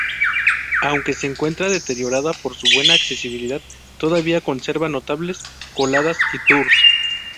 Aunque se encuentra deteriorada por su buena accesibilidad, todavía conserva notables coladas y tours.